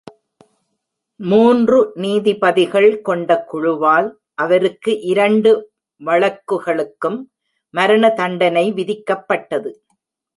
மூன்று நீதிபதிகள் கொண்ட குழுவால்அவருக்கு இரண்டு வழக்குகளுக்கும் மரண தண்டனை விதிக்கப்பட்டது.